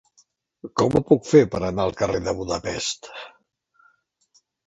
Com ho puc fer per anar al carrer de Budapest?